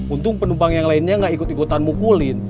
untung penumpang yang lainnya nggak ikut ikutan mukulin